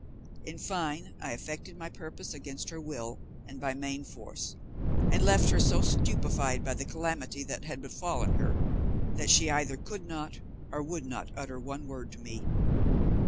In fine, I effected my purpose against her will and by main force, and left her so stupefied by the calamity that had befallen her, that she either could not or would not utter one word to me.